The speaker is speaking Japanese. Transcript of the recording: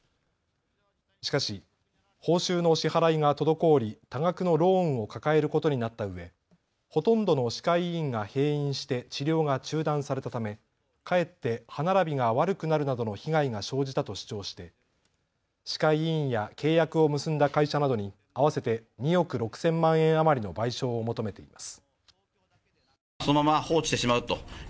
しかし、報酬の支払いが滞り多額のローンを抱えることになったうえ、ほとんどの歯科医院が閉院して治療が中断されたためかえって歯並びが悪くなるなどの被害が生じたと主張して歯科医院や契約を結んだ会社などに合わせて２億６０００万円余りの賠償を求めています。